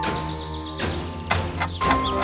สวัสดีครับ